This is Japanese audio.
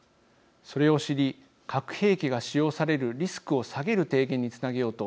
それを知り核兵器が使用されるリスクを下げる提言につなげようと